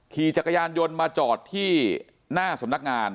ขี่จักรยานยนต์มาจอดที่หน้าสำนักงาน